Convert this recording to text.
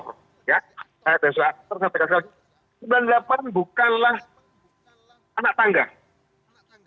saya dari segi aktor saya tekis lagi